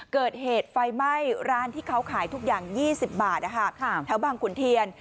เกิดเหตุไฟไหม้ร้านที่เขาขายทุกอย่าง๒๐บาทแถวบางขุนเทียน